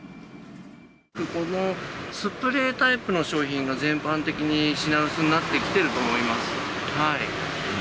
このスプレータイプの商品が全般的に品薄になってきてると思います。